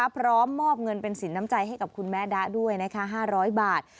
พร้อมมอบเงินเป็นสินน้ำใจให้กับคุณแม่ดะด้วย๕๐๐บาท